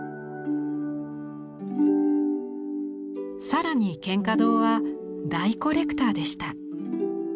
更に蒹葭堂は大コレクターでした。